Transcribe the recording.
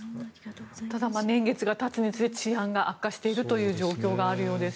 ただ年月が経つにつれ治安が悪化しているという状況があるようです。